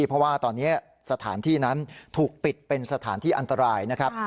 เพราะว่าตอนนี้สถานที่นั้นถูกปิดเป็นสถานที่อันตรายนะครับ